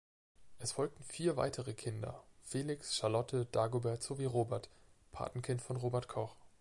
Es folgten vier weitere Kinder, Felix, Charlotte, Dagobert sowie Robert, Patenkind von Robert Koch.